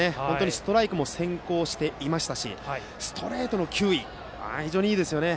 ストライクも先行していましたしストレートの球威も非常にいいですね。